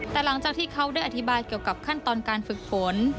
แต่หลังจากที่เขาได้อธิบายเกี่ยวกับขั้นตอนการฝึกฝน